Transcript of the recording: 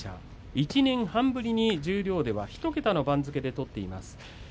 １年半ぶりに十両では１桁の番付で取っています。